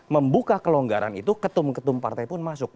membuka kelonggaran itu ketum ketum partai pun masuk